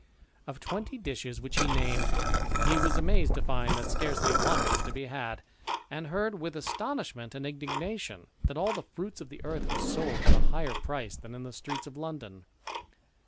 Of twenty dishes which he named, he was amazed to find that scarcely one was to be had ; and heard, with astonishment and indignation, that all the fruits of the earth were sold at a higher price than in the streets of London.